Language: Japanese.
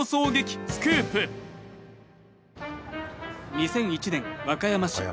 ２００１年、和歌山市。